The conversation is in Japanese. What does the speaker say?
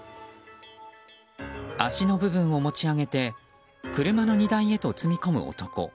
足の部分を持ち上げて車の荷台へと積み込む男。